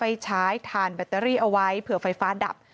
ไปใช้ถ่านแบตเตอรี่เอาไว้เผื่อไฟฟ้าดับ